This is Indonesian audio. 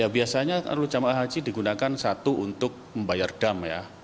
biasanya kalau jemaah haji digunakan satu untuk membayar dam ya